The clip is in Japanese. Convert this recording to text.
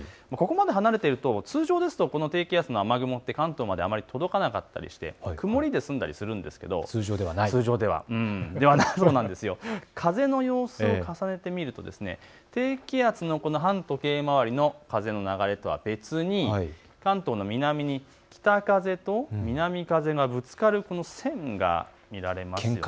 ここまで離れていると通常ですとこの低気圧の雨雲って関東まで届かなかったりして曇りで済んだりするんですが通常ではないようなんです。風の様子を重ねてみると低気圧の反時計回りの風の流れとは別に関東の南に北風と南風がぶつかるこの線が見られます。